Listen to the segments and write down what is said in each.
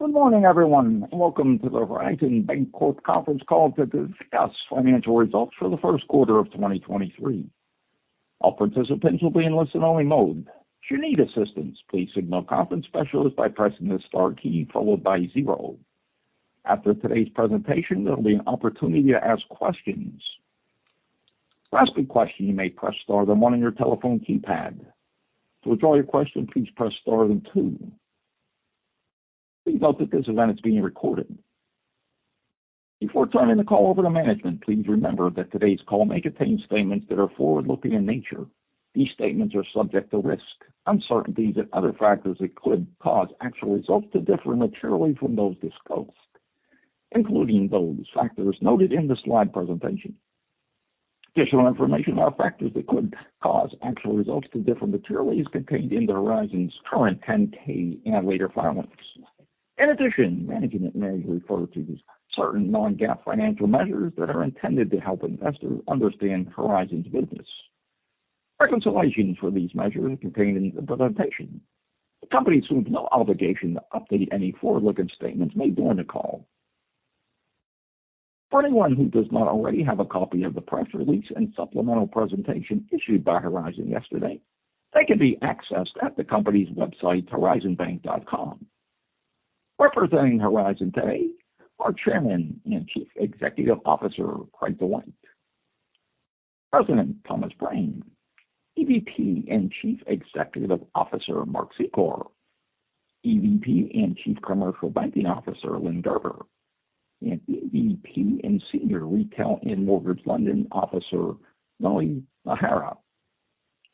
Good morning, everyone, welcome to the Horizon Bancorp, Inc. conference call to discuss financial results for the first quarter of 2023. All participants will be in listen-only mode. If you need assistance, please signal a conference specialist by pressing the star key followed by 0. After today's presentation, there'll be an opportunity to ask questions. To ask a question, you may press star then 1 on your telephone keypad. To withdraw your question, please press star then 2. Please note that this event is being recorded. Before turning the call over to management, please remember that today's call may contain statements that are forward-looking in nature. These statements are subject to risk, uncertainties and other factors that could cause actual results to differ materially from those disclosed, including those factors noted in the slide presentation. Additional information about factors that could cause actual results to differ materially is contained in the Horizon's current 10-K and later filings. Management may refer to certain non-GAAP financial measures that are intended to help investors understand Horizon's business. Reconciliation for these measures are contained in the presentation. The company assumes no obligation to update any forward-looking statements made during the call. For anyone who does not already have a copy of the press release and supplemental presentation issued by Horizon yesterday, they can be accessed at the company's website, horizonbank.com. Representing Horizon today are Chairman and Chief Executive Officer, Craig Dwight, President Thomas Prame, EVP and ChiefExecutive Officer, Mark Secor, EVP and Chief Commercial Banking Officer, Lynn Kerber, and EVP and Senior Retail and Mortgage Lending Officer, Noe Najera. At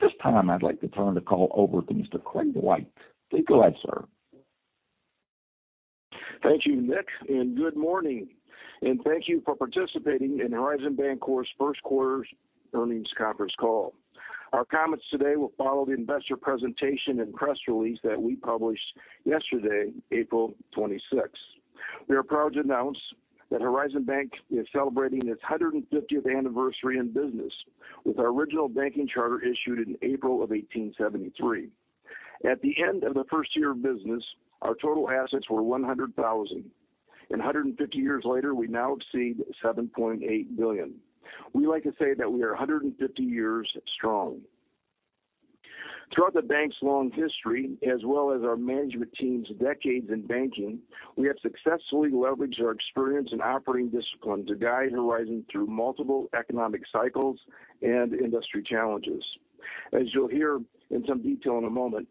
this time, I'd like to turn the call over to Mr. Craig Dwight. Please go ahead, sir. Thank you, Nick, good morning, and thank you for participating in Horizon Bancorp, Inc.'s first quarter earnings conference call. Our comments today will follow the investor presentation and press release that we published yesterday, April 26. We are proud to announce that Horizon Bank is celebrating its 150th anniversary in business with our original banking charter issued in April of 1873. At the end of the first year of business, our total assets were $100,000. 150 years later, we now exceed $7.8 billion. We like to say that we are 150 years strong. Throughout the bank's long history as well as our management team's decades in banking, we have successfully leveraged our experience and operating discipline to guide Horizon through multiple economic cycles and industry challenges. As you'll hear in some detail in a moment,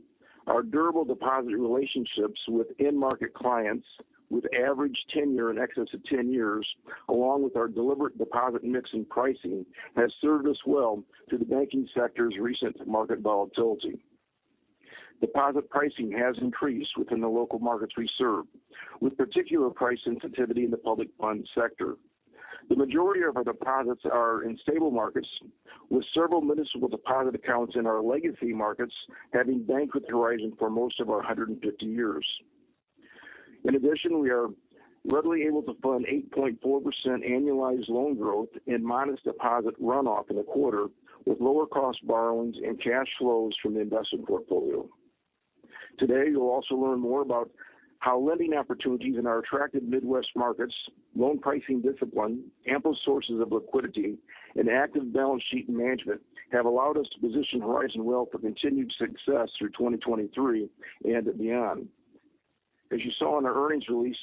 our durable deposit relationships with in-market clients with average tenure in excess of 10 years along with our deliberate deposit mix and pricing has served us well through the banking sector's recent market volatility. Deposit pricing has increased within the local markets we serve, with particular price sensitivity in the public fund sector. The majority of our deposits are in stable markets, with several municipal deposit accounts in our legacy markets having banked with Horizon for most of our 150 years. We are readily able to fund 8.4% annualized loan growth and modest deposit runoff in the quarter with lower cost borrowings and cash flows from the investment portfolio. Today, you'll also learn more about how lending opportunities in our attractive Midwest markets, loan pricing discipline, ample sources of liquidity and active balance sheet management have allowed us to position Horizon well for continued success through 2023 and beyond. As you saw in our earnings release,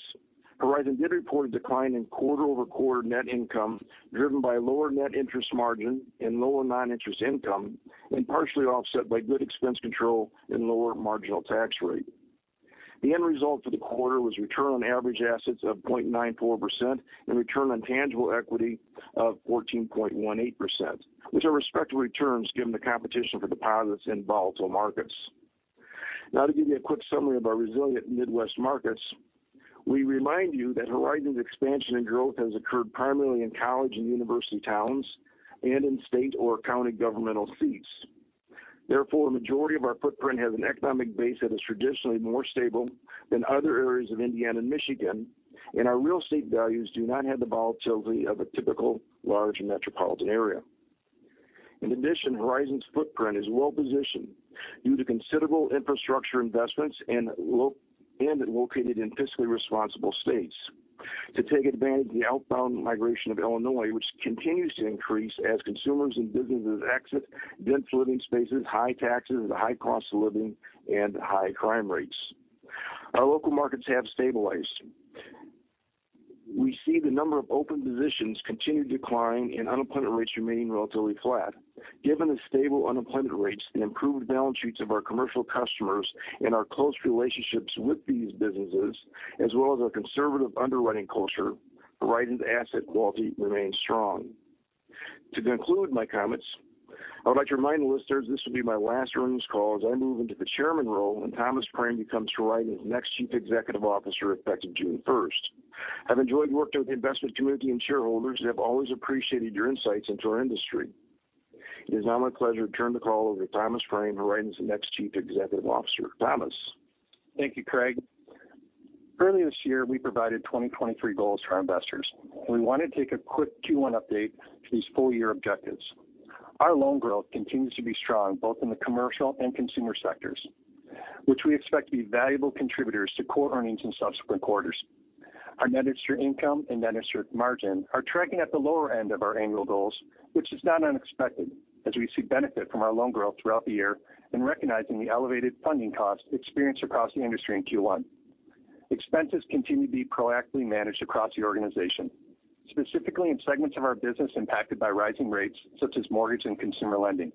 Horizon did report a decline in quarter-over-quarter net income driven by lower net interest margin and lower non-interest income and partially offset by good expense control and lower marginal tax rate. The end result for the quarter was return on average assets of 0.94% and return on tangible equity of 14.18%, which are respective returns given the competition for deposits in volatile markets. Now, to give you a quick summary of our resilient Midwest markets, we remind you that Horizon's expansion and growth has occurred primarily in college and university towns and in state or county governmental seats. Therefore, a majority of our footprint has an economic base that is traditionally more stable than other areas of Indiana and Michigan, and our real estate values do not have the volatility of a typical large metropolitan area. In addition, Horizon's footprint is well-positioned due to considerable infrastructure investments and located in fiscally responsible states to take advantage of the outbound migration of Illinois, which continues to increase as consumers and businesses exit dense living spaces, high taxes, high cost of living and high crime rates. Our local markets have stabilized. We see the number of open positions continue declining and unemployment rates remaining relatively flat. Given the stable unemployment rates and improved balance sheets of our commercial customers and our close relationships with these businesses as well as our conservative underwriting culture, Horizon's asset quality remains strong. To conclude my comments, I would like to remind listeners this will be my last earnings call as I move into the chairman role and Thomas Prame becomes Horizon's next Chief Executive Officer effective July first. I've enjoyed working with the investment community and shareholders and have always appreciated your insights into our industry. It is now my pleasure to turn the call over to Thomas Prame, Horizon's next Chief Executive Officer. Thomas. Thank you, Craig. Early this year, we provided 2023 goals to our investors. We want to take a quick Q1 update to these full year objectives. Our loan growth continues to be strong both in the commercial and consumer sectors, which we expect to be valuable contributors to core earnings in subsequent quarters. Our net interest income and net interest margin are tracking at the lower end of our annual goals, which is not unexpected as we see benefit from our loan growth throughout the year and recognizing the elevated funding costs experienced across the industry in Q1. Expenses continue to be proactively managed across the organization, specifically in segments of our business impacted by rising rates such as mortgage and consumer lending.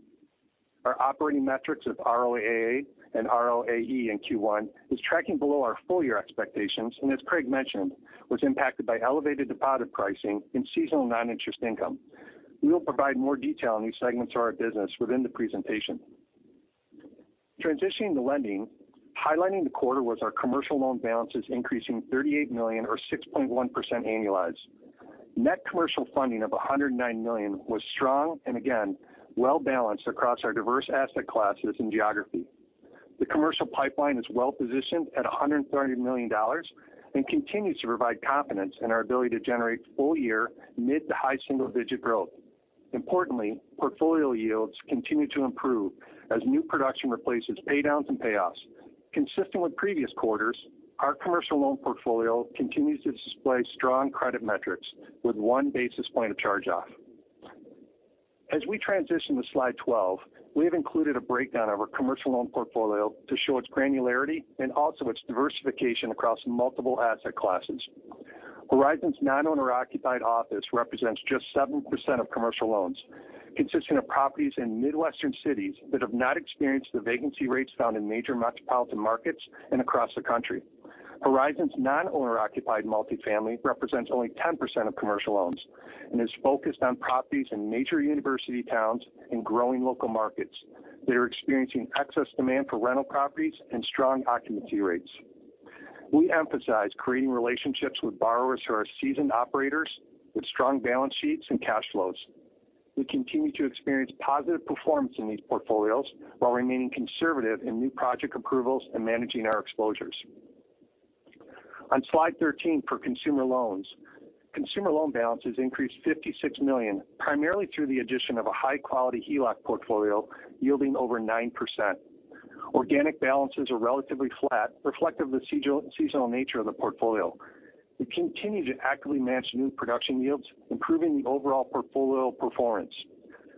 Our operating metrics of ROAA and ROAE in Q1 is tracking below our full year expectations, and as Craig mentioned, was impacted by elevated deposit pricing and seasonal non-interest income. We will provide more detail on these segments of our business within the presentation. Transitioning to lending, highlighting the quarter was our commercial loan balances increasing $38 million or 6.1% annualized. Net commercial funding of $109 million was strong and again, well-balanced across our diverse asset classes and geography. The commercial pipeline is well positioned at $130 million and continues to provide confidence in our ability to generate full year mid to high single-digit growth. Importantly, portfolio yields continue to improve as new production replaces pay downs and payoffs. Consistent with previous quarters, our commercial loan portfolio continues to display strong credit metrics with one basis point of charge-off. As we transition to slide 12, we have included a breakdown of our commercial loan portfolio to show its granularity and also its diversification across multiple asset classes. Horizon's non-owner occupied office represents just 7% of commercial loans, consisting of properties in Midwestern cities that have not experienced the vacancy rates found in major metropolitan markets and across the country. Horizon's non-owner occupied multifamily represents only 10% of commercial loans and is focused on properties in major university towns and growing local markets that are experiencing excess demand for rental properties and strong occupancy rates. We emphasize creating relationships with borrowers who are seasoned operators with strong balance sheets and cash flows. We continue to experience positive performance in these portfolios while remaining conservative in new project approvals and managing our exposures. On slide 13 for consumer loans. Consumer loan balances increased $56 million, primarily through the addition of a high-quality HELOC portfolio yielding over 9%. Organic balances are relatively flat, reflective of the seasonal nature of the portfolio. We continue to actively manage new production yields, improving the overall portfolio performance.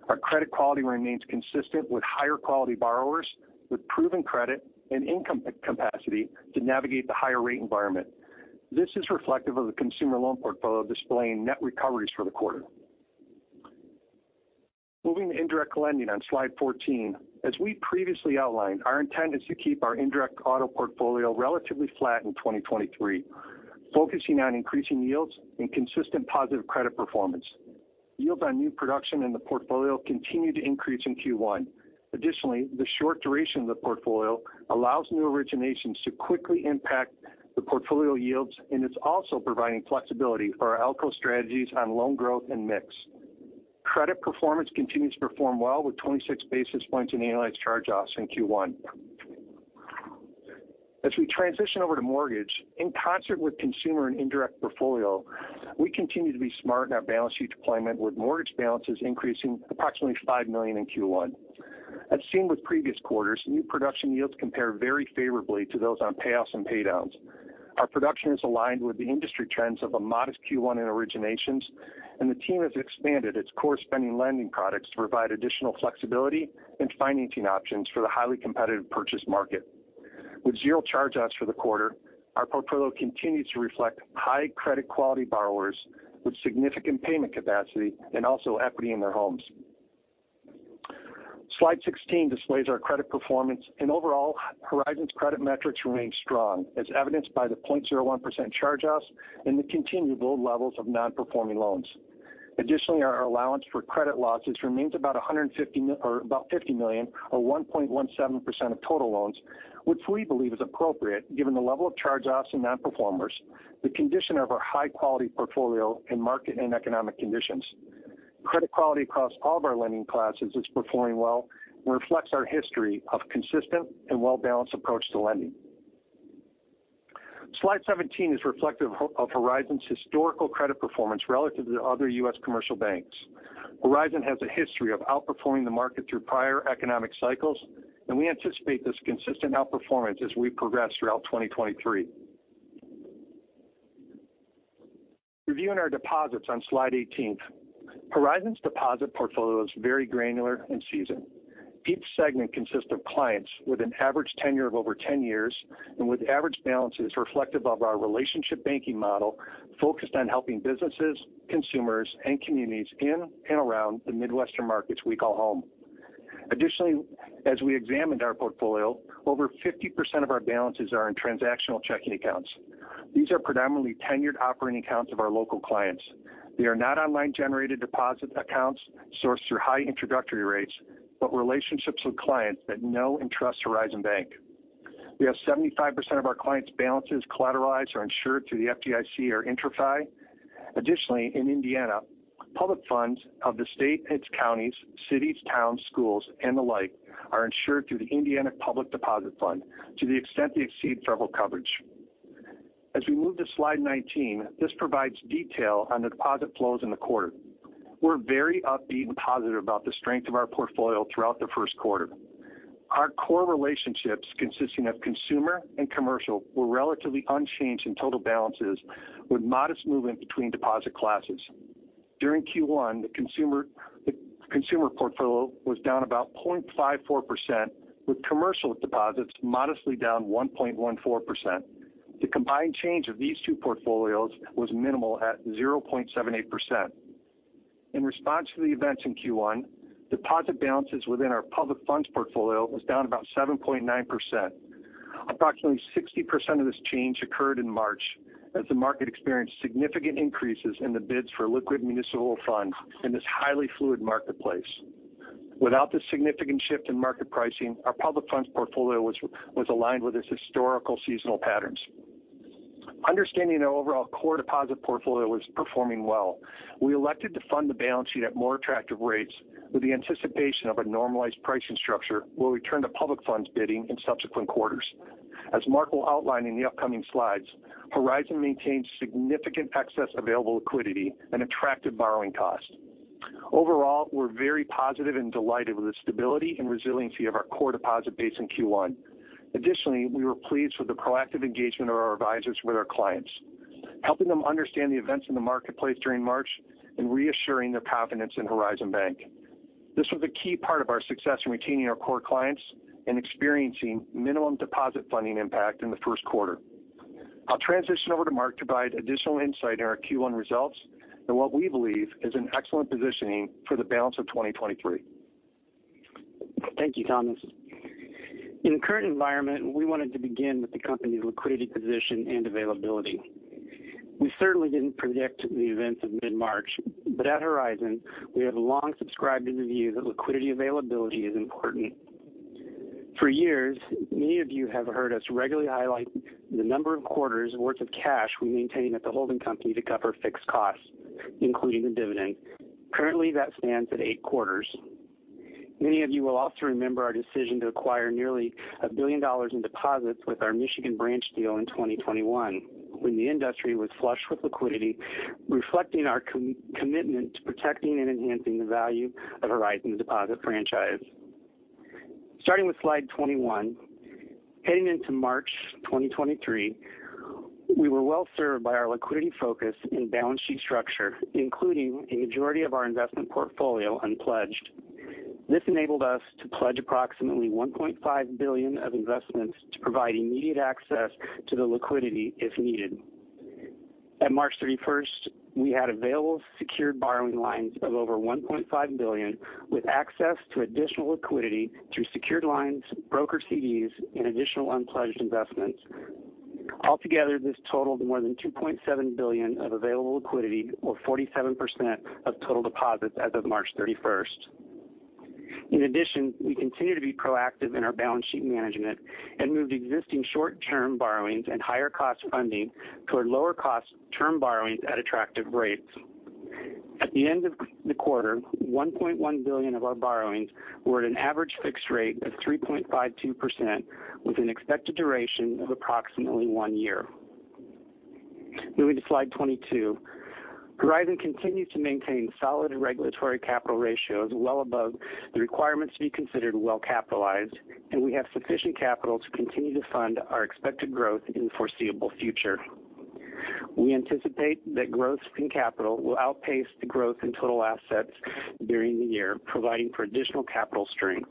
Our credit quality remains consistent with higher quality borrowers with proven credit and income capacity to navigate the higher rate environment. This is reflective of the consumer loan portfolio displaying net recoveries for the quarter. Moving to indirect lending on slide 14. As we previously outlined, our intent is to keep our indirect auto portfolio relatively flat in 2023, focusing on increasing yields and consistent positive credit performance. Yields on new production in the portfolio continued to increase in Q1. Additionally, the short duration of the portfolio allows new originations to quickly impact the portfolio yields, and it's also providing flexibility for our ALCO strategies on loan growth and mix. Credit performance continues to perform well with 26 basis points in annualized charge-offs in Q1. As we transition over to mortgage, in concert with consumer and indirect portfolio, we continue to be smart in our balance sheet deployment with mortgage balances increasing approximately $5 million in Q1. As seen with previous quarters, new production yields compare very favorably to those on payoffs and pay downs. Our production is aligned with the industry trends of a modest Q1 in originations, and the team has expanded its core spending lending products to provide additional flexibility and financing options for the highly competitive purchase market. With 0 charge-offs for the quarter, our portfolio continues to reflect high credit quality borrowers with significant payment capacity and also equity in their homes. Slide 16 displays our credit performance and overall Horizon's credit metrics remain strong as evidenced by the 0.01% charge-offs and the continued low levels of non-performing loans. Our allowance for credit losses remains about $50 million or 1.17% of total loans, which we believe is appropriate given the level of charge-offs and non-performers, the condition of our high-quality portfolio and market and economic conditions. Credit quality across all of our lending classes is performing well and reflects our history of consistent and well-balanced approach to lending. Slide 17 is reflective of Horizon's historical credit performance relative to other U.S. commercial banks. Horizon has a history of outperforming the market through prior economic cycles, we anticipate this consistent outperformance as we progress throughout 2023. Reviewing our deposits on slide 18th. Horizon's deposit portfolio is very granular and seasoned. Each segment consists of clients with an average tenure of over 10 years and with average balances reflective of our relationship banking model focused on helping businesses, consumers, and communities in and around the Midwestern markets we call home. Additionally, as we examined our portfolio, over 50% of our balances are in transactional checking accounts. These are predominantly tenured operating accounts of our local clients. They are not online-generated deposit accounts sourced through high introductory rates, but relationships with clients that know and trust Horizon Bank. We have 75% of our clients balances collateralized or insured through the FDIC or IntraFi. Additionally, in Indiana, public funds of the state and its counties, cities, towns, schools, and the like are insured through the Public Deposit Insurance Fund to the extent they exceed federal coverage. As we move to slide 19, this provides detail on the deposit flows in the quarter. We're very upbeat and positive about the strength of our portfolio throughout the first quarter. Our core relationships consisting of consumer and commercial were relatively unchanged in total balances with modest movement between deposit classes. During Q1, the consumer portfolio was down about 0.54%, with commercial deposits modestly down 1.14%. The combined change of these two portfolios was minimal at 0.78%. In response to the events in Q1, deposit balances within our public funds portfolio was down about 7.9%. Approximately 60% of this change occurred in March as the market experienced significant increases in the bids for liquid municipal funds in this highly fluid marketplace. Without this significant shift in market pricing, our public funds portfolio was aligned with its historical seasonal patterns. Understanding our overall core deposit portfolio was performing well, we elected to fund the balance sheet at more attractive rates with the anticipation of a normalized pricing structure where we turn to public funds bidding in subsequent quarters. As Mark will outline in the upcoming slides, Horizon maintains significant excess available liquidity and attractive borrowing costs. Overall, we're very positive and delighted with the stability and resiliency of our core deposit base in Q1. Additionally, we were pleased with the proactive engagement of our advisors with our clients, helping them understand the events in the marketplace during March and reassuring their confidence in Horizon Bank. This was a key part of our success in retaining our core clients and experiencing minimum deposit funding impact in the first quarter. I'll transition over to Mark to provide additional insight in our Q1 results and what we believe is an excellent positioning for the balance of 2023. Thank you, Thomas. In the current environment, we wanted to begin with the company's liquidity position and availability. We certainly didn't predict the events of mid-March, but at Horizon, we have long subscribed to the view that liquidity availability is important. For years, many of you have heard us regularly highlight the number of quarters worth of cash we maintain at the holding company to cover fixed costs, including the dividend. Currently, that stands at eight quarters. Many of you will also remember our decision to acquire nearly $1 billion in deposits with our Michigan branch deal in 2021 when the industry was flush with liquidity, reflecting our commitment to protecting and enhancing the value of Horizon deposit franchise. Starting with slide 21. Heading into March 2023, we were well served by our liquidity focus and balance sheet structure, including a majority of our investment portfolio unpledged. This enabled us to pledge approximately $1.5 billion of investments to provide immediate access to the liquidity if needed. At March 31st, we had available secured borrowing lines of over $1.5 billion, with access to additional liquidity through secured lines, brokered CDs, and additional unpledged investments. Altogether, this totaled more than $2.7 billion of available liquidity or 47% of total deposits as of March 31st. We continue to be proactive in our balance sheet management and moved existing short-term borrowings and higher cost funding toward lower cost term borrowings at attractive rates. At the end of the quarter, $1.1 billion of our borrowings were at an average fixed rate of 3.52% with an expected duration of approximately 1 year. Moving to slide 22. Horizon continues to maintain solid regulatory capital ratios well above the requirements to be considered well capitalized, and we have sufficient capital to continue to fund our expected growth in the foreseeable future. We anticipate that growth in capital will outpace the growth in total assets during the year, providing for additional capital strength.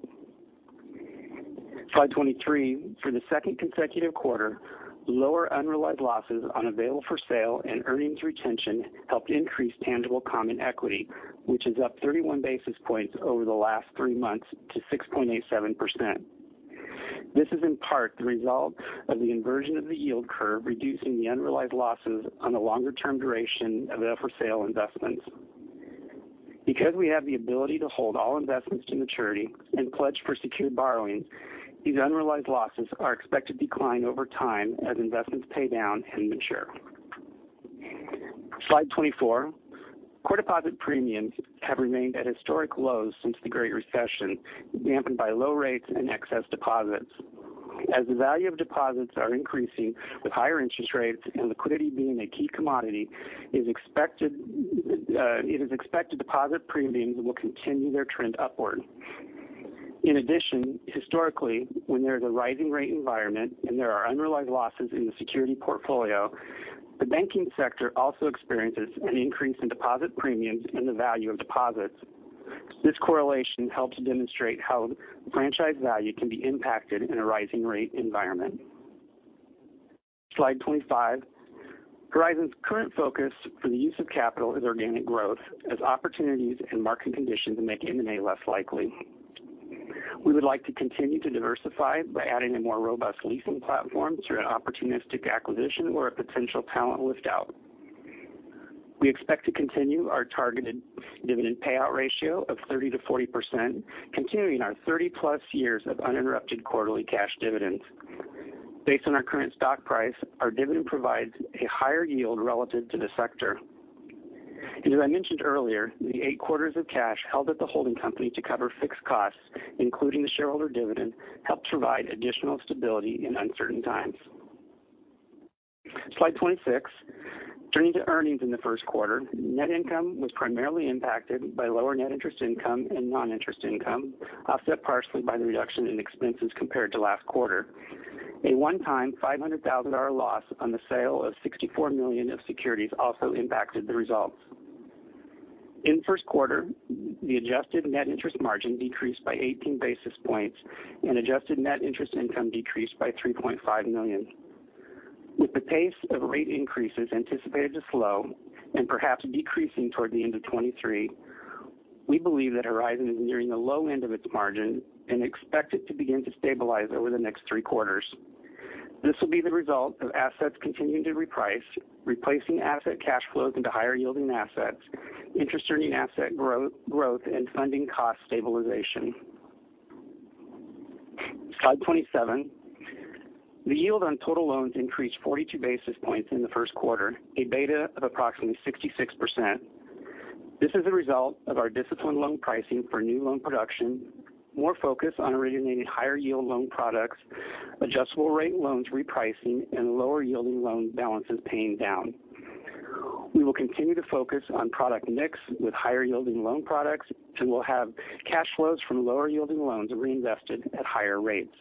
Slide 23. For the second consecutive quarter, lower unrealized losses on available for sale and earnings retention helped increase tangible common equity, which is up 31 basis points over the last 3 months to 6.87%. This is in part the result of the inversion of the yield curve, reducing the unrealized losses on the longer term duration available for sale investments. Because we have the ability to hold all investments to maturity and pledge for secured borrowings, these unrealized losses are expected to decline over time as investments pay down and mature. Slide 24. Core deposit premiums have remained at historic lows since the Great Recession, dampened by low rates and excess deposits. As the value of deposits are increasing with higher interest rates and liquidity being a key commodity, it is expected deposit premiums will continue their trend upward. Historically, when there's a rising rate environment and there are unrealized losses in the security portfolio, the banking sector also experiences an increase in deposit premiums and the value of deposits. This correlation helps demonstrate how franchise value can be impacted in a rising rate environment. Slide 25. Horizon's current focus for the use of capital is organic growth as opportunities and market conditions make M&A less likely. We would like to continue to diversify by adding a more robust leasing platform through an opportunistic acquisition or a potential talent lift out. We expect to continue our targeted dividend payout ratio of 30%-40%, continuing our 30+ years of uninterrupted quarterly cash dividends. Based on our current stock price, our dividend provides a higher yield relative to the sector. As I mentioned earlier, the 8 quarters of cash held at the holding company to cover fixed costs, including the shareholder dividend, helped provide additional stability in uncertain times. Slide 26. Turning to earnings in the 1st quarter, net income was primarily impacted by lower net interest income and non-interest income, offset partially by the reduction in expenses compared to last quarter. A 1-time $500,000 loss on the sale of $64 million of securities also impacted the results. In 1st quarter, the adjusted net interest margin decreased by 18 basis points and adjusted net interest income decreased by $3.5 million. With the pace of rate increases anticipated to slow and perhaps decreasing toward the end of 2023, we believe that Horizon is nearing the low end of its margin and expect it to begin to stabilize over the next three quarters. This will be the result of assets continuing to reprice, replacing asset cash flows into higher yielding assets, interest earning asset growth and funding cost stabilization. Slide 27. The yield on total loans increased 42 basis points in the first quarter, a beta of approximately 66%. This is a result of our disciplined loan pricing for new loan production, more focus on originating higher yield loan products, adjustable rate loans repricing and lower yielding loan balances paying down. We will continue to focus on product mix with higher yielding loan products, and we'll have cash flows from lower yielding loans reinvested at higher rates.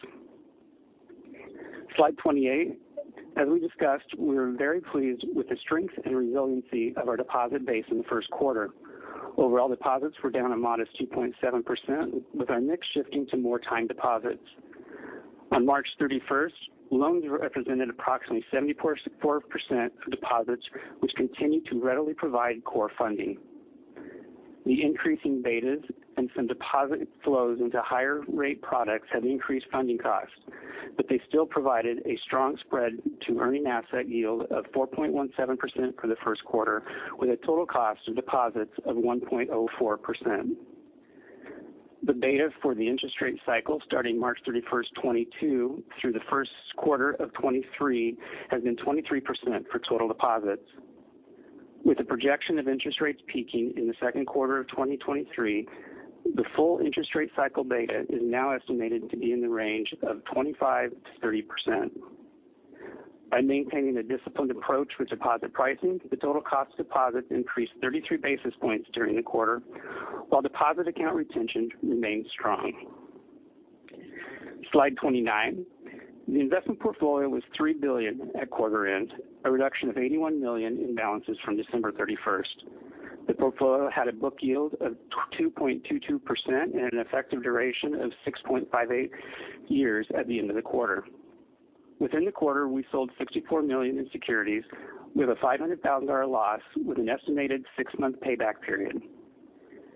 Slide 28. As we discussed, we are very pleased with the strength and resiliency of our deposit base in the first quarter. Overall deposits were down a modest 2.7% with our mix shifting to more time deposits. On March 31st, loans represented approximately 74% of deposits, which continued to readily provide core funding. The increasing betas and some deposit flows into higher rate products have increased funding costs, but they still provided a strong spread to earning asset yield of 4.17% for the first quarter, with a total cost of deposits of 1.04%. The beta for the interest rate cycle starting March 31st, 2022 through the first quarter of 2023 has been 23% for total deposits. With the projection of interest rates peaking in the second quarter of 2023, the full interest rate cycle beta is now estimated to be in the range of 25%-30%. By maintaining a disciplined approach with deposit pricing, the total cost deposits increased 33 basis points during the quarter, while deposit account retention remained strong. Slide 29. The investment portfolio was $3 billion at quarter end, a reduction of $81 million in balances from December 31st. The portfolio had a book yield of 2.22% and an effective duration of 6.58 years at the end of the quarter. Within the quarter, we sold $64 million in securities with a $500,000 loss with an estimated 6-month payback period.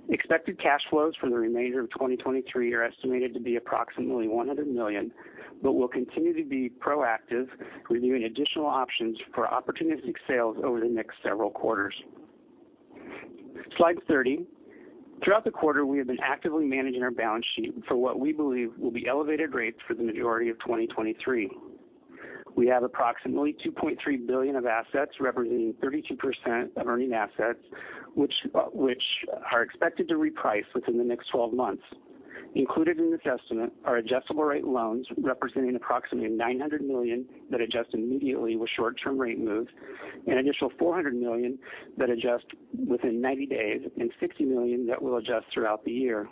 Expected cash flows from the remainder of 2023 are estimated to be approximately $100 million, but will continue to be proactive, reviewing additional options for opportunistic sales over the next several quarters. Slide 30. Throughout the quarter, we have been actively managing our balance sheet for what we believe will be elevated rates for the majority of 2023. We have approximately $2.3 billion of assets representing 32% of earning assets which are expected to reprice within the next 12 months. Included in this estimate are adjustable rate loans representing approximately $900 million that adjust immediately with short-term rate moves, an additional $400 million that adjust within 90 days and $60 million that will adjust throughout the year.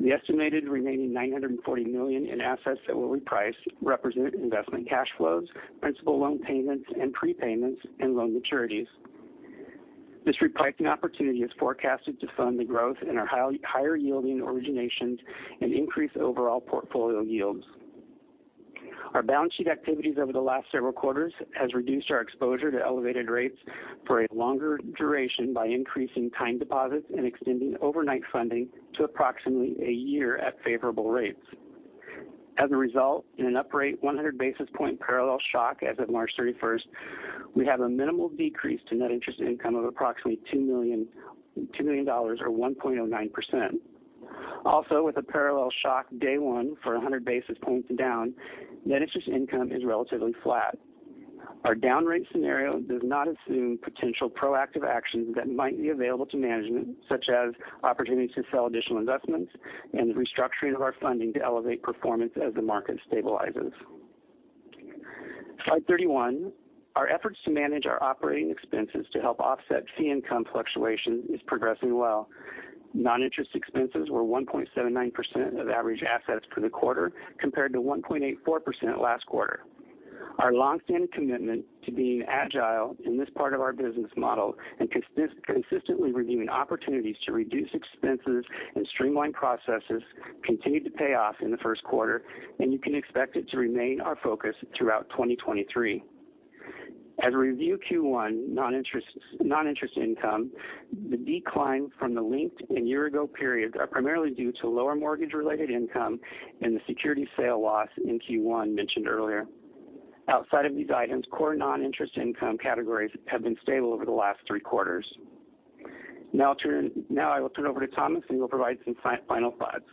The estimated remaining $940 million in assets that will reprice represent investment cash flows, principal loan payments and prepayments and loan maturities. This repricing opportunity is forecasted to fund the growth in our higher yielding originations and increase overall portfolio yields. Our balance sheet activities over the last several quarters has reduced our exposure to elevated rates for a longer duration by increasing time deposits and extending overnight funding to approximately a year at favorable rates. In an up rate 100 basis point parallel shock as of March 31st, we have a minimal decrease to net interest income of approximately $2 million or 1.09%. With a parallel shock day one for 100 basis points down, net interest income is relatively flat. Our down rate scenario does not assume potential proactive actions that might be available to management, such as opportunity to sell additional investments and restructuring of our funding to elevate performance as the market stabilizes. Slide 31. Our efforts to manage our operating expenses to help offset fee income fluctuation is progressing well. Non-interest expenses were 1.79% of average assets for the quarter compared to 1.84% last quarter. Our longstanding commitment to being agile in this part of our business model and consistently reviewing opportunities to reduce expenses and streamline processes continued to pay off in the first quarter, and you can expect it to remain our focus throughout 2023. As we review Q1 non-interest income, the decline from the linked and year ago periods are primarily due to lower mortgage related income and the security sale loss in Q1 mentioned earlier. Outside of these items, core non-interest income categories have been stable over the last three quarters. Now I will turn over to Thomas, and he'll provide some final thoughts.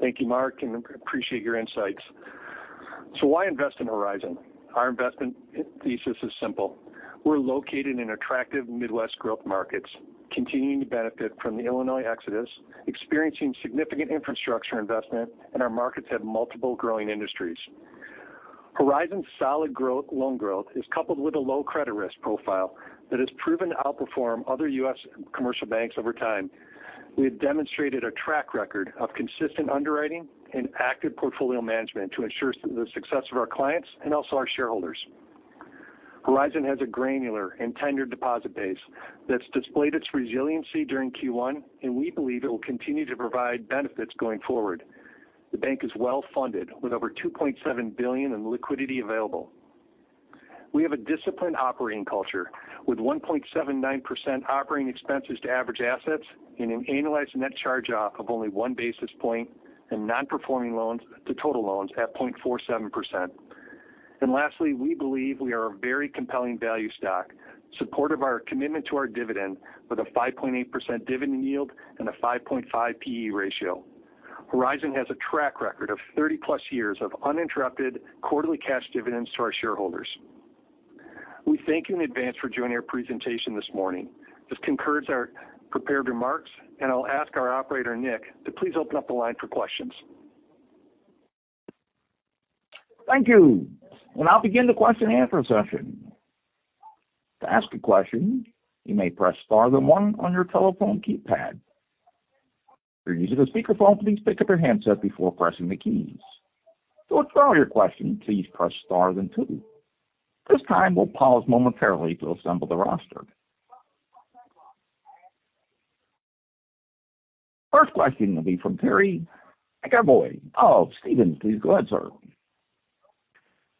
Thank you, Mark, and appreciate your insights. Why invest in Horizon? Our investment thesis is simple. We're located in attractive Midwest growth markets, continuing to benefit from the Illinois exodus, experiencing significant infrastructure investment, and our markets have multiple growing industries. Horizon's solid loan growth is coupled with a low credit risk profile that has proven to outperform other U.S. commercial banks over time. We have demonstrated a track record of consistent underwriting and active portfolio management to ensure the success of our clients and also our shareholders. Horizon has a granular and tenured deposit base that's displayed its resiliency during Q1, and we believe it will continue to provide benefits going forward. The bank is well-funded with over $2.7 billion in liquidity available. We have a disciplined operating culture with 1.79% operating expenses to average assets and an annualized net charge-off of only 1 basis point and non-performing loans to total loans at 0.47%. Lastly, we believe we are a very compelling value stock, supportive our commitment to our dividend with a 5.8% dividend yield and a 5.5 P/E ratio. Horizon has a track record of 30-plus years of uninterrupted quarterly cash dividends to our shareholders. We thank you in advance for joining our presentation this morning. This concludes our prepared remarks, and I'll ask our operator, Nick, to please open up the line for questions. Thank you. I'll begin the question and answer session. To ask a question, you may press star then 1 on your telephone keypad. If you're using a speakerphone, please pick up your handset before pressing the keys. To withdraw your question, please press star then 2. At this time, we'll pause momentarily to assemble the roster. First question will be from Terry McEvoy of Stephens. Please go ahead, sir.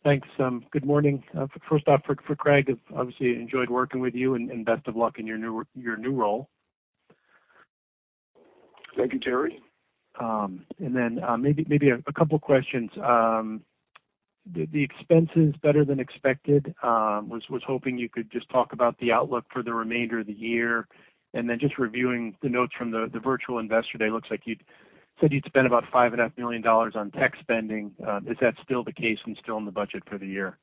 Thanks. Good morning. First off, for Craig, obviously enjoyed working with you and best of luck in your new role. Thank you, Terry. Maybe a couple questions. The expense is better than expected. Was hoping you could just talk about the outlook for the remainder of the year. Just reviewing the notes from the virtual investor day, looks like you'd said you'd spend about five and a half million dollars on tech spending. Is that still the case and still in the budget for the year?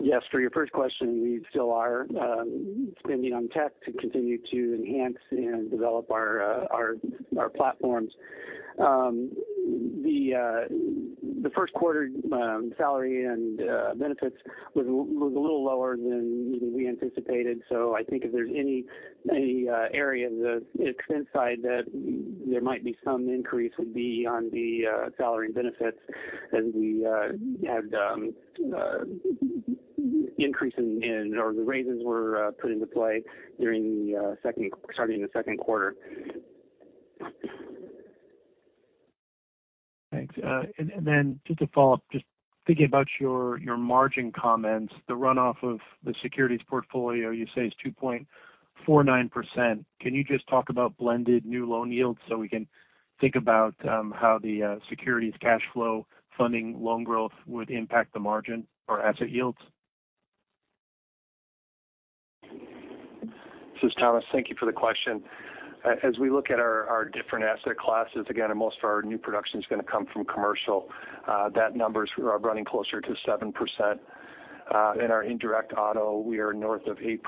Yes. For your first question, we still are spending on tech to continue to enhance and develop our platforms. The first quarter salary and benefits was a little lower than we anticipated. I think if there's any area of the expense side that there might be some increase would be on the salary and benefits as we had increase in or the raises were put into play during the second starting in the second quarter. Thanks. Just to follow up, just thinking about your margin comments, the runoff of the securities portfolio you say is 2.49%. Can you just talk about blended new loan yields, so we can think about how the securities cash flow funding loan growth would impact the margin or asset yields? This is Thomas. Thank you for the question. As we look at our different asset classes, again, most of our new production is going to come from commercial, that numbers are running closer to 7%. In our indirect auto, we are north of 8%.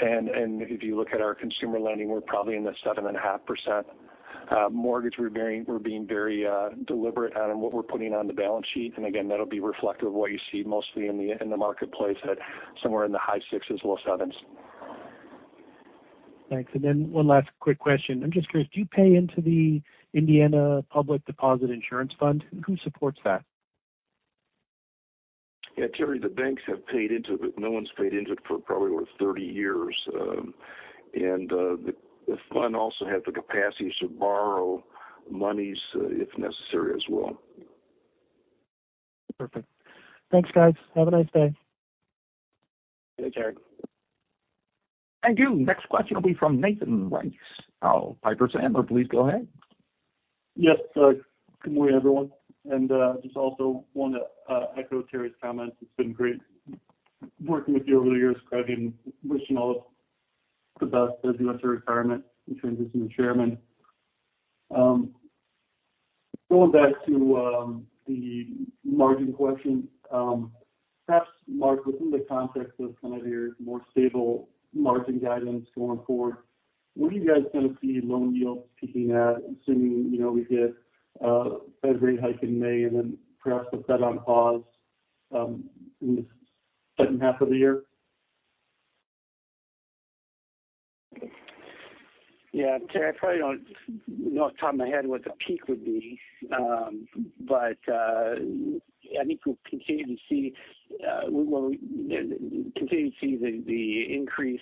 If you look at our consumer lending, we're probably in the 7.5%. Mortgage, we're being very deliberate on what we're putting on the balance sheet. Again, that'll be reflective of what you see mostly in the marketplace at somewhere in the high 6s, low 7s. Thanks. One last quick question. I'm just curious, do you pay into the Indiana Public Deposit Insurance Fund? Who supports that? Yeah, Terry, the banks have paid into it, but no one's paid into it for probably over 30 years. The Fund also has the capacity to borrow monies if necessary as well. Perfect. Thanks, guys. Have a nice day. Thanks, Terry. Thank you. Next question will be from Nathan Race of Piper Sandler. Please go ahead. Yes. Good morning, everyone. Just also want to echo Terry's comments. It's been great working with you over the years, Craig, and wishing all the best as you enter retirement and transition to Chairman. Going back to the margin question. Perhaps, Mark, within the context of kind of your more stable margin guidance going forward, where are you guys going to see loan yields peaking at, assuming, you know, we get a Fed rate hike in May and then perhaps the Fed on pause in the second half of the year? Yeah, Terry, I probably don't know off the top of my head what the peak would be. I think we'll continue to see, we will continue to see the increase,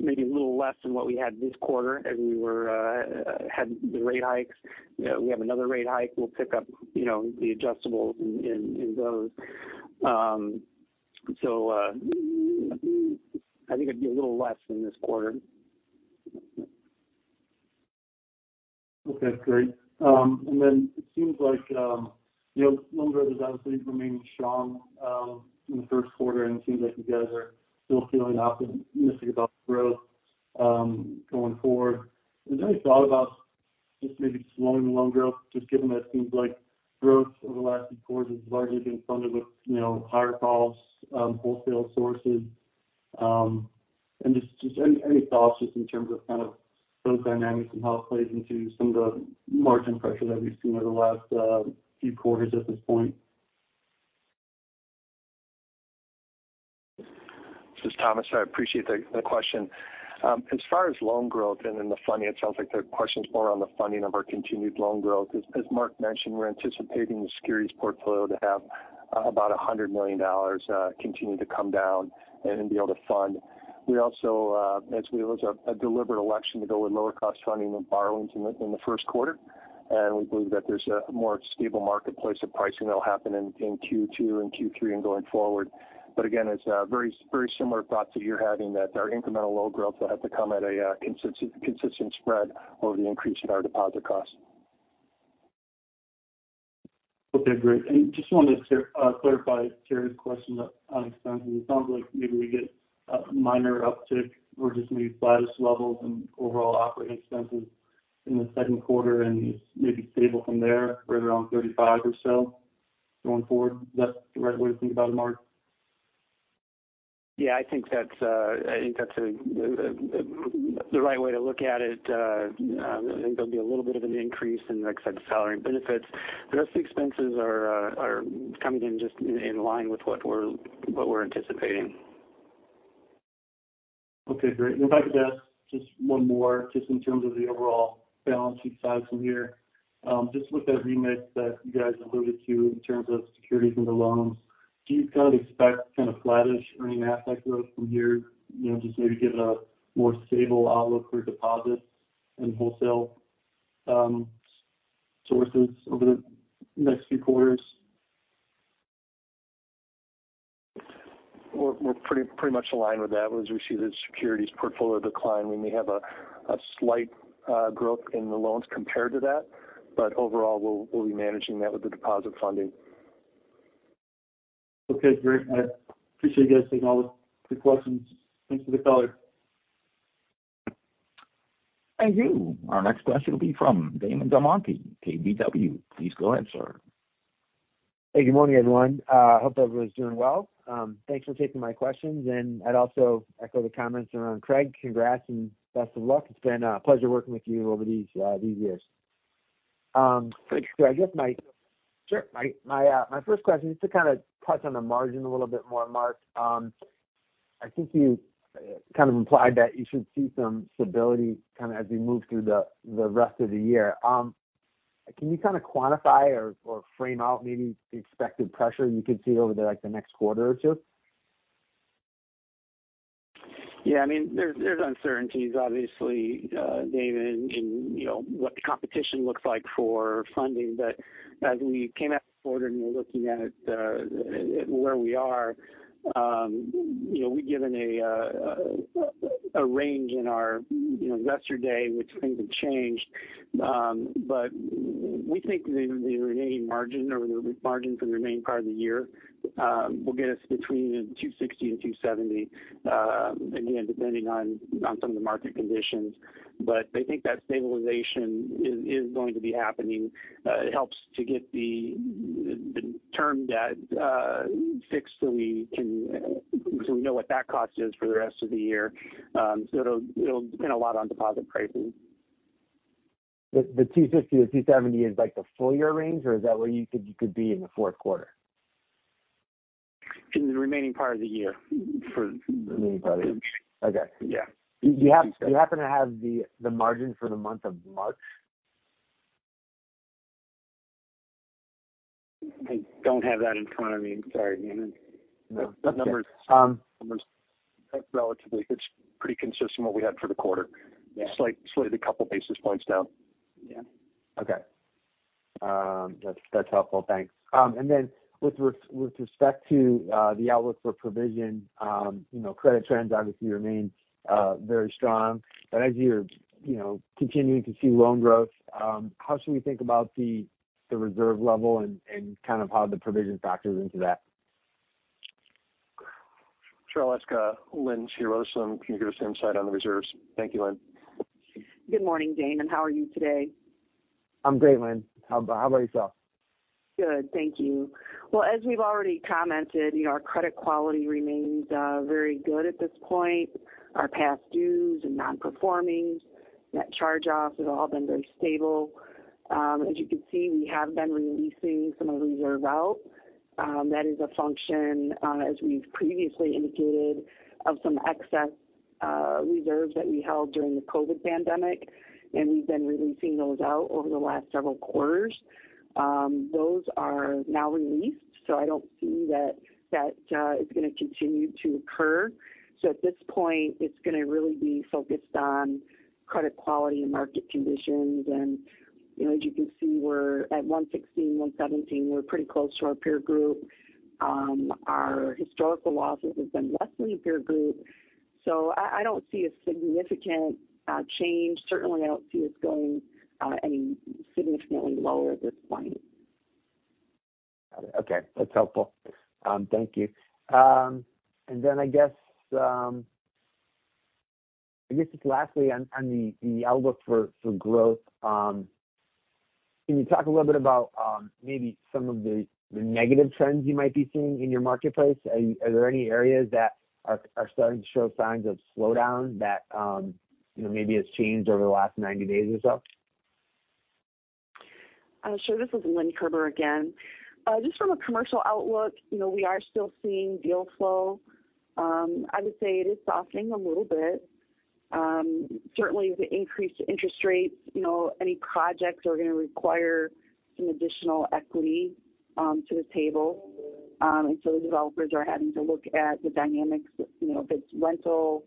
maybe a little less than what we had this quarter as we were had the rate hikes. You know, we have another rate hike, we'll pick up, you know, the adjustable in those. I think it'd be a little less than this quarter. Okay, great. It seems like You know, loan growth has obviously remained strong in the first quarter, and it seems like you guys are still feeling optimistic about growth going forward. Have you thought about just maybe slowing loan growth, just given that it seems like growth over the last quarter has largely been funded with, you know, higher costs, wholesale sources, and just any thoughts just in terms of kind of those dynamics and how it plays into some of the margin pressure that we've seen over the last few quarters at this point? This is Thomas. I appreciate the question. As far as loan growth and then the funding, it sounds like the question's more on the funding of our continued loan growth. As Mark mentioned, we're anticipating the securities portfolio to have about $100 million continue to come down and be able to fund. We also, as we lose a deliberate election to go with lower cost funding and borrowings in the first quarter. We believe that there's a more stable marketplace of pricing that'll happen in Q2 and Q3 and going forward. Again, it's very similar thoughts that you're having that our incremental low growth will have to come at a consistent spread over the increase in our deposit cost. Okay, great. Just wanted to clarify Terry's question on expenses. It sounds like maybe we get a minor uptick or just maybe flattest levels in overall operating expenses in the second quarter and maybe stable from there, right around $35 or so going forward. Is that the right way to think about it, Mark? Yeah, I think that's, I think that's the right way to look at it. I think there'll be a little bit of an increase in the expected salary and benefits. The rest of the expenses are coming in just in line with what we're anticipating. Okay, great. If I could ask just one more just in terms of the overall balance sheet size from here. Just with that remit that you guys alluded to in terms of securities and the loans, do you kind of expect kind of flattish earning asset growth from here, you know, just maybe given a more stable outlook for deposits and wholesale sources over the next few quarters? We're pretty much aligned with that. As we see the securities portfolio decline, we may have a slight growth in the loans compared to that. Overall, we'll be managing that with the deposit funding. Okay, great. I appreciate you guys taking all the questions. Thanks for the color. Thank you. Our next question will be from Damon DelMonte, KBW. Please go ahead, sir. Hey, good morning, everyone. hope everyone's doing well. thanks for taking my questions, and I'd also echo the comments around Craig. Congrats and best of luck. It's been a pleasure working with you over these years. Sure. My first question is to kind of touch on the margin a little bit more, Mark. I think you kind of implied that you should see some stability kind of as we move through the rest of the year. Can you kind of quantify or frame out maybe the expected pressure you could see over the, like, the next quarter or two? Yeah. I mean, there's uncertainties obviously, Damon, in, you know, what the competition looks like for funding. As we came out of the quarter and you're looking at, where we are, you know, we've given a range in our, you know, Investor Day, which things have changed. We think the remaining margin or the margin for the remaining part of the year, will get us between 2.60% and 2.70%, again, depending on some of the market conditions. I think that stabilization is going to be happening. It helps to get the term debt fixed so we know what that cost is for the rest of the year. It'll depend a lot on deposit pricing. The 260-270 is like the full year range or is that where you could be in the fourth quarter? In the remaining part of the year. Remaining part of the year. Okay. Yeah. Do you happen to have the margin for the month of March? I don't have that in front of me. Sorry, Damon. The numbers relatively it's pretty consistent what we had for the quarter. Yeah. Slight, slightly a couple basis points down. Yeah. Okay. That's helpful. Thanks. Then with respect to the outlook for provision, you know, credit trends obviously remain very strong. As you're, you know, continuing to see loan growth, how should we think about the reserve level and kind of how the provision factors into that? Sure. I'll ask Lynn Kerber if she can give us insight on the reserves. Thank you, Lynn. Good morning, Damon. How are you today? I'm great, Lynn. How about yourself? Good. Thank you. As we've already commented, you know, our credit quality remains very good at this point. Our past dues and non-performings, net charge-offs have all been very stable. As you can see, we have been releasing some of the reserve out. That is a function, as we've previously indicated, of some excess reserves that we held during the COVID pandemic, and we've been releasing those out over the last several quarters. Those are now released. I don't see that that is going to continue to occur. At this point, it's going to really be focused on credit quality and market conditions. You know, as you can see, we're at 116, 117. We're pretty close to our peer group. Our historical losses have been less than the peer group. I don't see a significant change. Certainly I don't see us going any significantly lower at this point. Got it. Okay. That's helpful. Thank you. Then I guess just lastly on the outlook for growth, can you talk a little bit about, maybe some of the negative trends you might be seeing in your marketplace? Are there any areas that are starting to show signs of slowdown that, you know, maybe has changed over the last 90 days or so? Sure. This is Lynn Kerber again. Just from a commercial outlook, you know, we are still seeing deal flow. I would say it is softening a little bit. Certainly with the increased interest rates, you know, any projects are gonna require some additional equity, to the table. The developers are having to look at the dynamics of, you know, if it's rental,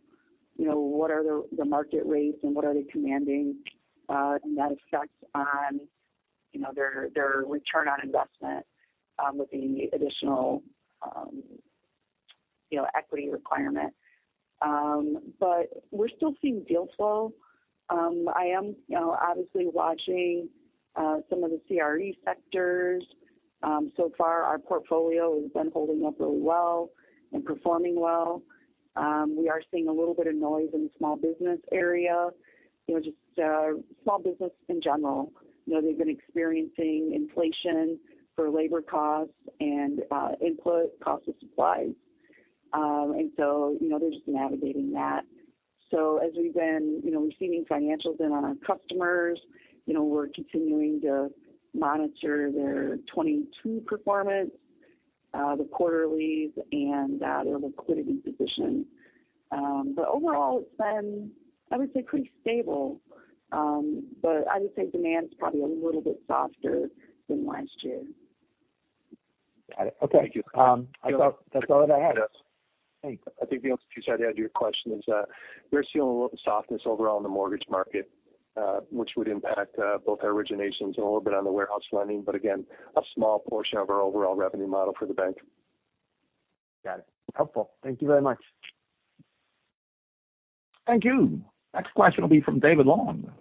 you know, what are the market rates and what are they commanding, and that effects on, you know, their return on investment, with the additional, you know, equity requirement. We're still seeing deal flow. I am, you know, obviously watching, some of the CRE sectors. So far our portfolio has been holding up really well and performing well. We are seeing a little bit of noise in the small business area. You know, just, small business in general. You know, they've been experiencing inflation for labor costs and input costs of supplies. You know, they're just navigating that. As we've been, you know, receiving financials in on our customers, you know, we're continuing to monitor their 2022 performance, the quarterlies and their liquidity position. Overall it's been, I would say pretty stable. I would say demand's probably a little bit softer than last year. Got it. Okay. Thank you. I thought that's all that I had. Yes. Thanks. I think the only thing to add to your question is, we're seeing a little bit softness overall in the mortgage market, which would impact, both our originations and a little bit on the warehouse lending, but again, a small portion of our overall revenue model for the bank. Got it. Helpful. Thank you very much. Thank you. Next question will be from David Long,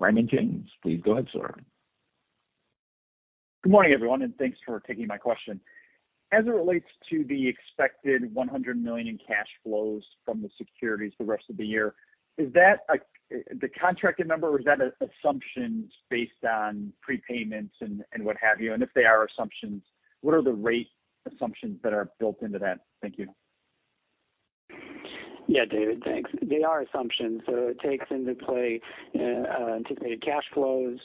Raymond James. Please go ahead, sir. Good morning, everyone, thanks for taking my question. As it relates to the expected $100 million cash flows from the securities the rest of the year, is that the contracted number or is that assumptions based on prepayments and what have you? If they are assumptions, what are the rate assumptions that are built into that? Thank you. David. Thanks. They are assumptions. It takes into play anticipated cash flows.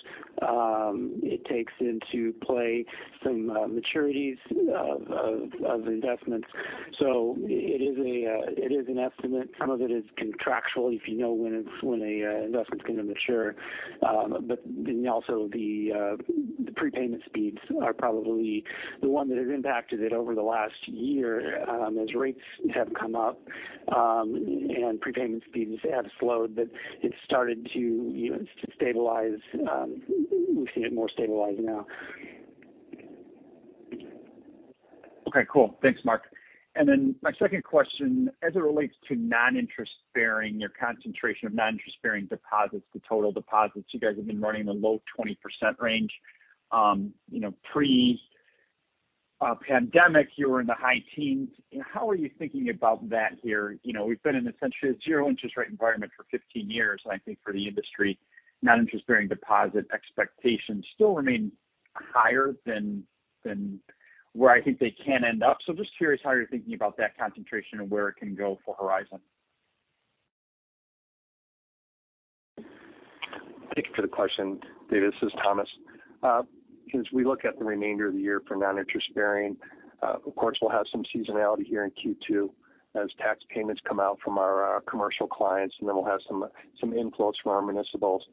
It takes into play some maturities of investments. It is a, it is an estimate. Some of it is contractual if you know when a investment's gonna mature. Also the prepayment speeds are probably the one that has impacted it over the last year as rates have come up and prepayment speeds have slowed, but it's started to, you know, stabilize. We see it more stabilized now. Okay. Cool. Thanks, Mark. My second question, as it relates to non-interest bearing, your concentration of non-interest bearing deposits to total deposits, you guys have been running in the low 20% range. You know, pre-pandemic, you were in the high teens. How are you thinking about that here? You know, we've been in essentially a zero interest rate environment for 15 years, I think for the industry. Non-interest bearing deposit expectations still remain higher than where I think they can end up. Just curious how you're thinking about that concentration and where it can go for Horizon. Thank you for the question, David. This is Thomas. As we look at the remainder of the year for non-interest bearing, of course we'll have some seasonality here in Q2 as tax payments come out from our commercial clients, and then we'll have some inflows from our municipals.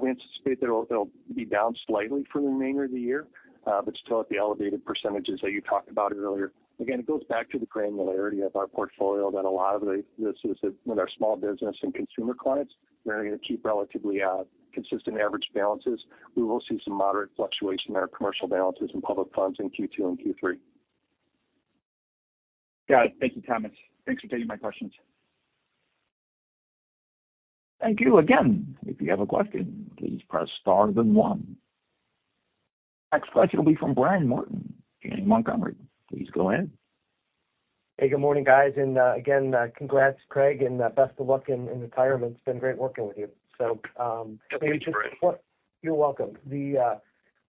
We anticipate that it'll be down slightly for the remainder of the year, but still at the elevated percentages that you talked about earlier. Again, it goes back to the granularity of our portfolio that a lot of this is with our small business and consumer clients. They're gonna keep relatively consistent average balances. We will see some moderate fluctuation in our commercial balances and public funds in Q2 and Q3. Got it. Thank you, Thomas. Thanks for taking my questions. Thank you. Again, if you have a question, please press star then one. Next question will be from Brian Martin, Janney Montgomery. Please go in. Hey, good morning, guys. Again, congrats Craig and, best of luck in retirement. It's been great working with you. Thank you, Brian. You're welcome. The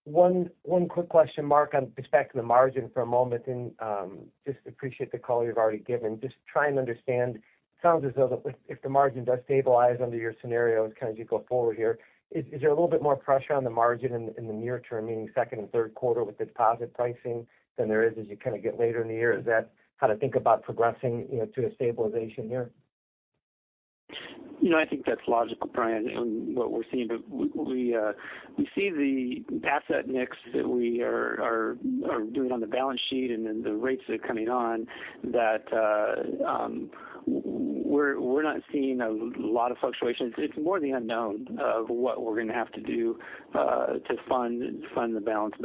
one quick question, Mark, on just back to the margin for a moment, and just appreciate the color you've already given. Just trying to understand, sounds as though if the margin does stabilize under your scenarios kind of as you go forward here, is there a little bit more pressure on the margin in the near term, meaning second and third quarter with deposit pricing than there is as you kind of get later in the year? Is that how to think about progressing, you know, to a stabilization here? You know, I think that's logical, Brian, what we're seeing. We see the asset mix that we are doing on the balance sheet and then the rates that are coming on that, we're not seeing a lot of fluctuations. It's more the unknown of what we're gonna have to do to fund the balance.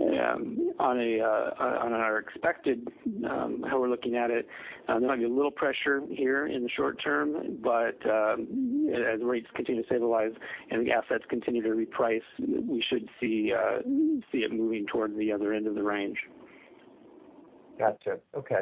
On our expected, how we're looking at it, there might be a little pressure here in the short term, but as rates continue to stabilize and the assets continue to reprice, we should see it moving toward the other end of the range. Gotcha. Okay.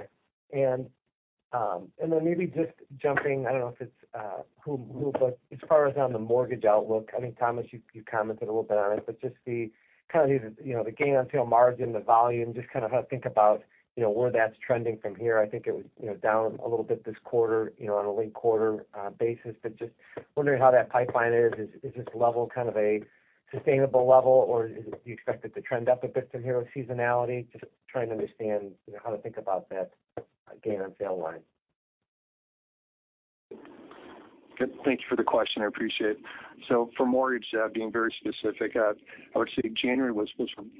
Maybe just jumping, I don't know if it's who, but as far as on the mortgage outlook, I mean, Thomas, you commented a little bit on it, but just the kind of these, you know, the gain on sale margin, the volume, just kind of how to think about, you know, where that's trending from here. I think it was, you know, down a little bit this quarter, you know, on a linked quarter basis. Just wondering how that pipeline is. Is this level kind of a sustainable level or do you expect it to trend up a bit from here with seasonality? Just trying to understand, you know, how to think about that gain on sale line. Good. Thank you for the question, I appreciate it. For mortgage, being very specific, I would say January was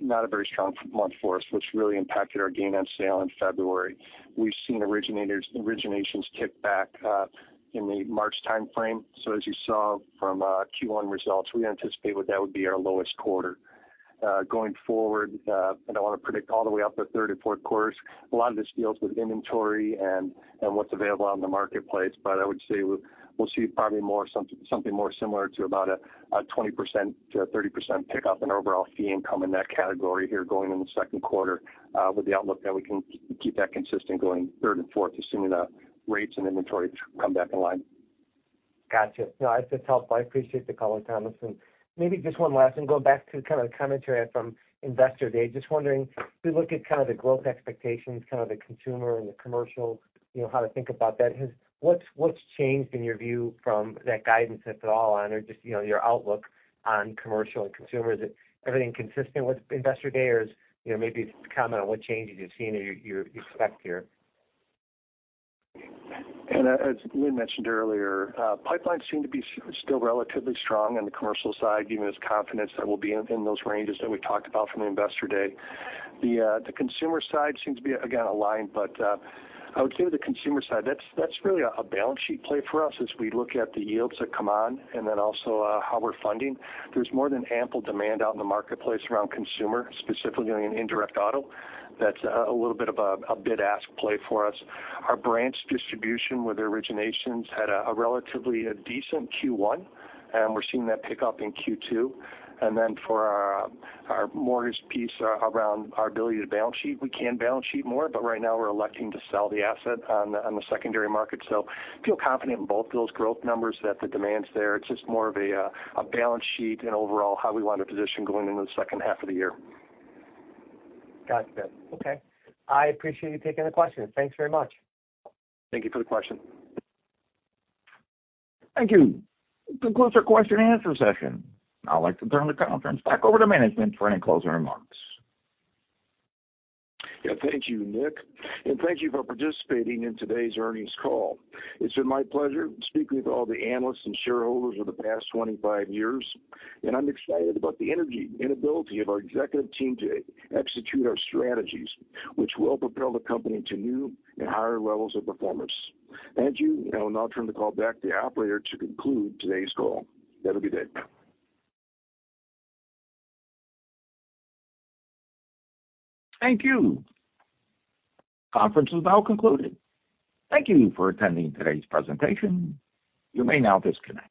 not a very strong month for us, which really impacted our gain on sale in February. We've seen originations tick back in the March timeframe. As you saw from Q1 results, we anticipate what that would be our lowest quarter. Going forward, I don't want to predict all the way out to third and fourth quarters. A lot of this deals with inventory and what's available out in the marketplace. I would say we'll see probably something more similar to about a 20% to a 30% pickup in overall fee income in that category here going in the second quarter, with the outlook that we can keep that consistent going third and fourth, assuming the rates and inventory come back in line. Gotcha. No, that's helpful. I appreciate the color, Thomas. Maybe just one last one, going back to kind of the commentary from Investor Day. Just wondering, if we look at kind of the growth expectations, kind of the consumer and the commercial, you know, how to think about that. What's changed in your view from that guidance, if at all, on or just, you know, your outlook on commercial and consumer? Is it everything consistent with Investor Day or is, you know, maybe just comment on what changes you've seen or you expect here? As Lynn mentioned earlier, pipelines seem to be still relatively strong on the commercial side, giving us confidence that we'll be in those ranges that we talked about from the Investor Day. The consumer side seems to be again aligned, but I would say the consumer side, that's really a balance sheet play for us as we look at the yields that come on and then also how we're funding. There's more than ample demand out in the marketplace around consumer, specifically in indirect auto. That's a little bit of a bid ask play for us. Our branch distribution with originations had a relatively decent Q1, and we're seeing that pick up in Q2. For our mortgage piece around our ability to balance sheet, we can balance sheet more, but right now we're electing to sell the asset on the secondary market. Feel confident in both of those growth numbers that the demand's there. It's just more of a balance sheet and overall how we want to position going into the second half of the year. Gotcha. Okay. I appreciate you taking the question. Thanks very much. Thank you for the question. Thank you. This concludes our question and answer session. I'd like to turn the conference back over to management for any closing remarks. Yeah, thank you, Nick. Thank you for participating in today's earnings call. It's been my pleasure speaking with all the analysts and shareholders over the past 25 years, and I'm excited about the energy and ability of our executive team to execute our strategies, which will propel the company to new and higher levels of performance. Thank you. I will now turn the call back to the operator to conclude today's call. That'll be Dave. Thank you. Conference is now concluded. Thank you for attending today's presentation. You may now disconnect.